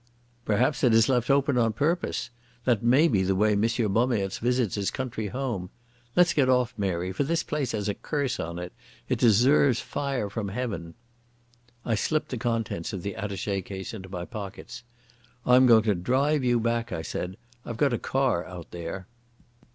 "Perhaps it is left open on purpose. That may be the way M. Bommaerts visits his country home.... Let's get off, Mary, for this place has a curse on it. It deserves fire from heaven." I slipped the contents of the attache case into my pockets. "I'm going to drive you back," I said. "I've got a car out there."